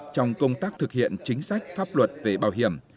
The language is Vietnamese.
trong công tác thực hiện chính sách pháp luật về bảo hiểm